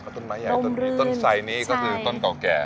ต้นไม้ใหญ่ต้นนี้ต้นไสนี้ก็คือต้นเก่าแก่